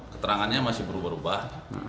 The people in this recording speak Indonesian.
keterangannya masih berubah ubah